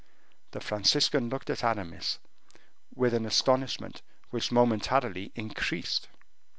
The Franciscan looked at Aramis with an astonishment which momentarily increased.